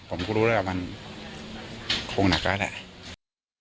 ผมก็รู้แล้วมันคงหนักแล้วแหละ